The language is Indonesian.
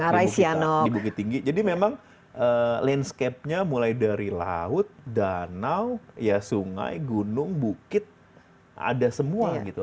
di bukit tinggi jadi memang landscape nya mulai dari laut danau ya sungai gunung bukit ada semua gitu